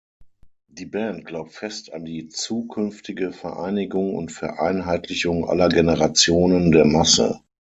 Die Band glaubt fest an die zukünftige Vereinigung und Vereinheitlichung aller Generationen der Masse.